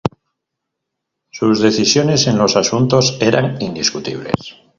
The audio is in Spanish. Sus decisiones en los asuntos eran indiscutibles.